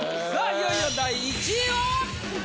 いよいよ第１位は？